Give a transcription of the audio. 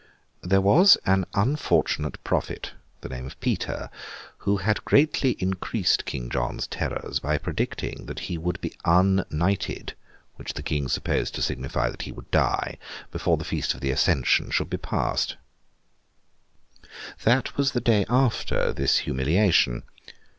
There was an unfortunate prophet, the name of Peter, who had greatly increased King John's terrors by predicting that he would be unknighted (which the King supposed to signify that he would die) before the Feast of the Ascension should be past. That was the day after this humiliation.